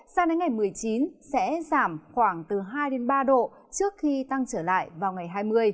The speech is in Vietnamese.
sang đến ngày một mươi chín sẽ giảm khoảng từ hai đến ba độ trước khi tăng trở lại vào ngày hai mươi